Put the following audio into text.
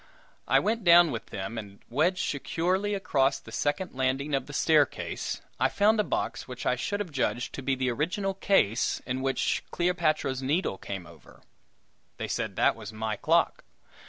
I went down with them, and wedged securely across the second landing of the staircase, I found a box which I should have judged to be the original case in which Cleopatra's Needle came over. They said that was my clock.